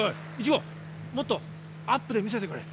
１号もっとアップで見せてくれ。ＯＫ！